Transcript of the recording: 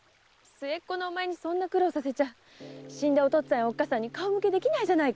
末っ子のおまえにそんな苦労させちゃ死んだお父っつぁんやおっかさんに顔向けできないよ。